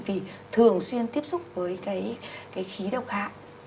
vì thường xuyên tiếp xúc với cái khí độc hại